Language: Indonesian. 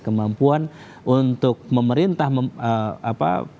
kemampuan untuk memerintah apa